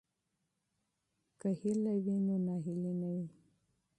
که امید وي نو ناهیلي نه وي.